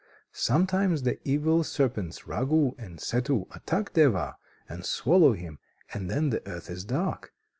Sometimes the evil serpents Ragu and Ketu attack Deva and swallow him: and then the earth is dark.